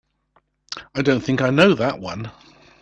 I don't think I know that one.